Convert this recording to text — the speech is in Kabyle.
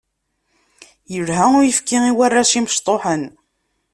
Ilha uyefki i warrac imecṭuḥen.